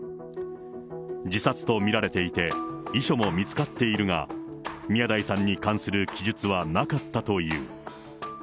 自殺と見られていて、遺書も見つかっているが、宮台さんに関する記述はなかったという。